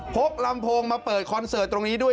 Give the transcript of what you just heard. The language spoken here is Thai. ลำโพงมาเปิดคอนเสิร์ตตรงนี้ด้วย